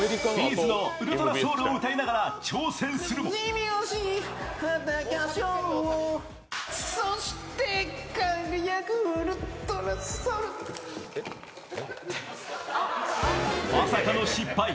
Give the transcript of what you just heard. ’ｚの「ｕｌｔｒａｓｏｕｌ」を歌いながら挑戦するもまさかの失敗。